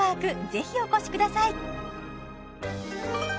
ぜひお越しください